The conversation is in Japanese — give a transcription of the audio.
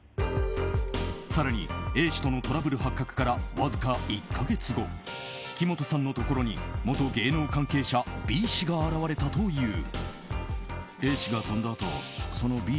更に、Ａ氏とのトラブル発覚からわずか１か月後木本さんのところに元芸能関係者Ｂ氏が現れたという。